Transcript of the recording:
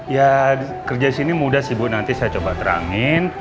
ya kerja sini mudah sih bu nanti saya coba terangin